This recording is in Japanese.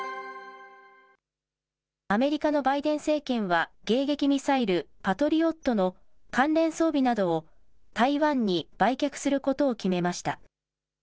アメリカのバイデン政権は、迎撃ミサイル、パトリオットの関連装備などを台湾に売却することを決めました。